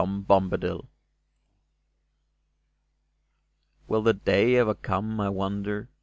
AT THE LAST Will the day ever come, I wonder.